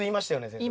先生。